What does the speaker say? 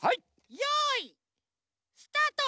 よいスタート。